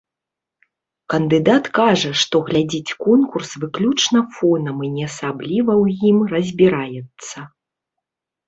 Кандыдат кажа, што глядзіць конкурс выключна фонам і не асабліва ў ім разбіраецца.